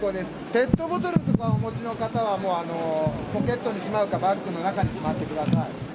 ペットボトルとかお持ちの方は、もうポケットにしまうか、バッグの中にしまってください。